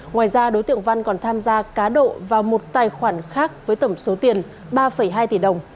ngoài ra đối tượng văn còn tham gia cá độ vào một tài khoản khác với tổng số tiền ba hai tỷ đồng